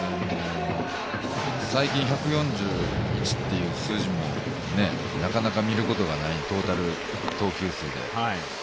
最近、１４１という数字もなかなか見ることがない、トータル投球数で。